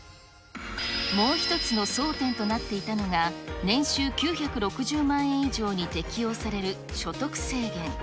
もう一つの争点となっていたのが、年収９６０万円以上に適用される所得制限。